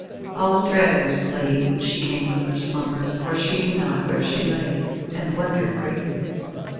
All adread was the lady when she came from her slumber, for she knew not where she lay, and wondered greatly.